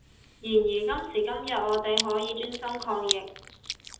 然而今時今日我哋可以專心抗疫